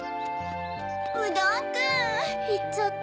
うどんくん。いっちゃった。